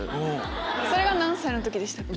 それが何歳の時でしたっけ？